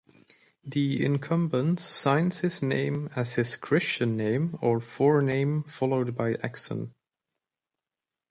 The incumbent signs his name as his Christian name or forename followed by Exon.